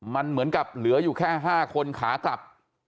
มันเหมือนกับเหลืออยู่แค่๕คนขากลับ